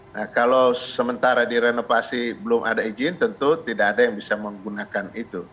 nah kalau sementara direnovasi belum ada izin tentu tidak ada yang bisa menggunakan itu